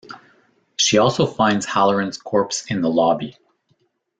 She also finds Hallorann's corpse in the lobby.